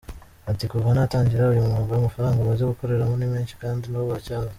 Ati” Kuva natangira uyu mwuga amafaranga maze gukoreramo ni menshi kandi n’ubu aracyaza.